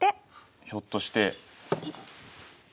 ひょっとして。